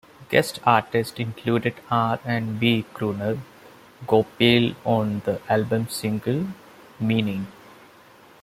Guest artist included R and B crooner, Goapele on the album's single, "Meaning".